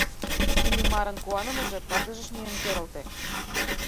Иллимарын куанымыже пырдыжыш миен керылте.